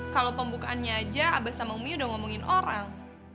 kalau pembukaannya aja abah sama umi udah ngomongin orang